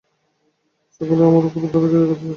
সকলে আমার ওপর এমন দাদাগিরি দেখাতে চাচ্ছে কেন?